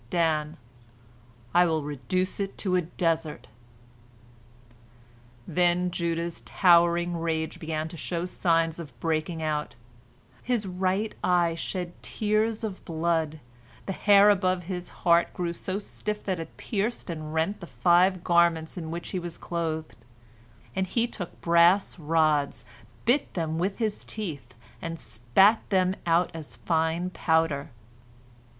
Dan: "I will reduce it to a desert." Then Judah's towering rage began to show signs of breaking out: his right eye shed tears of blood; the hair above his heart grew so stiff that it pierced and rent the five garments in which he was clothed; and he took brass rods, bit them with his teeth, and spat them out as fine powder.